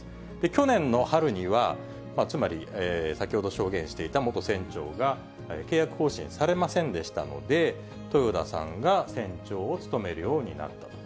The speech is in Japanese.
去年の春には、つまり先ほど証言していた元船長が、契約更新されませんでしたので、豊田さんが船長を務めるようになったと。